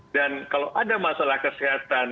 dan kalau ada masalah kesehatan